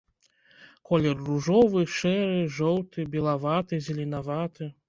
Колер ружовы, шэры, жоўты, белаваты, зеленаваты.